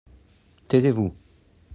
taisez-vous.